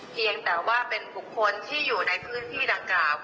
เพียงแต่ว่าเป็นบุคคลที่อยู่ในพื้นที่ดังกล่าว